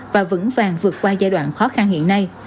và vững vàng vượt qua giai đoạn khó khăn hiện nay